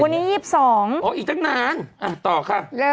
วันนี้๒๒อ๋ออีกตั้งนานต่อค่ะ